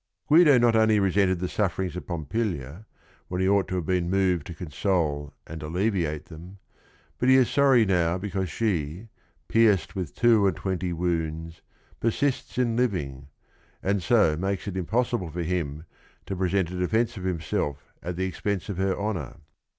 Guido not only resented the sufferings of Pompilia, when he ought to have been moved to console and alleviate them, but he is sorry now because she, pierced with two and twenty wounds, persists in living, and so makes it impossible for him to present a defence of himself at the ex pense of her honor.